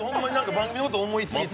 番組のこと思いすぎて。